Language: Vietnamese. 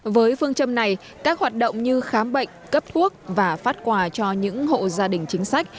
với phương châm này các hoạt động như khám bệnh cấp thuốc và phát quà cho những hộ gia đình chính sách